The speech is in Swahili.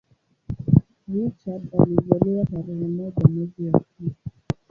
Richard alizaliwa tarehe moja mwezi wa pili